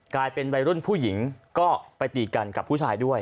กลายเป็นวัยรุ่นผู้หญิงก็ไปตีกันกับผู้ชายด้วย